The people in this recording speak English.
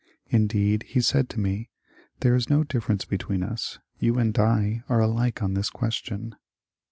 Indeed, he said to me, ^^ There is no diifference between us. You and I are alike on this question."